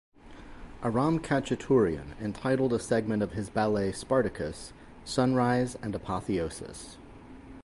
Aram Khachaturian entitled a segment of his ballet "Spartacus" "Sunrise and Apotheosis.